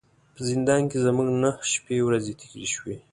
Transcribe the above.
په زندان کې زموږ نه نهه شپې ورځې تیرې شوې.